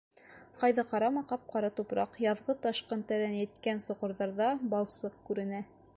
Ҡайҙа ҡарама — ҡап-ҡара тупраҡ, яҙғы ташҡын тәрәнәйткән соҡорҙарҙа балсыҡ күренә.